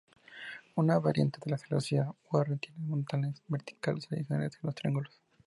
Una variante de la celosía Warren tiene montantes verticales adicionales en los triángulos.